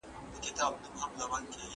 ژمنه ماتول د ايمان کمزوري ده.